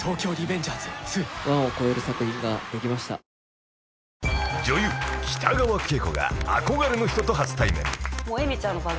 「ビオレ」［女優北川景子が憧れの人と初対面］